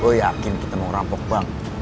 gue yakin kita mau merampok bang